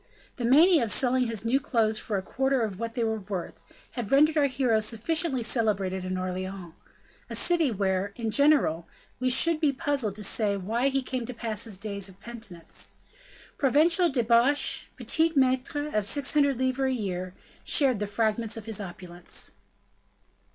The mania of selling his new clothes for a quarter of what they were worth, had rendered our hero sufficiently celebrated in Orleans, a city where, in general, we should be puzzled to say why he came to pass his days of penitence. Provincial debauches, petits maitres of six hundred livres a year, shared the fragments of his opulence.